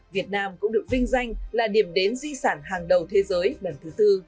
việt nam cũng được vinh danh là điểm đến di sản hàng đầu thế giới lần thứ tư